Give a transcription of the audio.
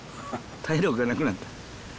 体力がなくなった。